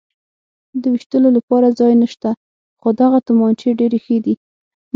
د وېشتلو لپاره ځای نشته، خو دغه تومانچې ډېرې ښې دي.